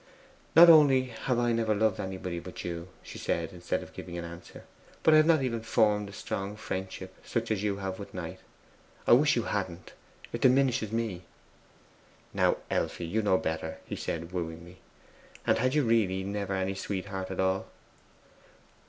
'I not only have never loved anybody but you,' she said, instead of giving an answer, 'but I have not even formed a strong friendship, such as you have for Knight. I wish you hadn't. It diminishes me.' 'Now, Elfride, you know better,' he said wooingly. 'And had you really never any sweetheart at all?